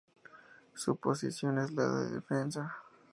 Su Posición es la de defensa.